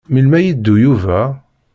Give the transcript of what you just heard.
Melmi ad yeddu Yuba?